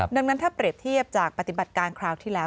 ดังนั้นถ้าเปรียบเทียบจากปฏิบัติการคราวที่แล้ว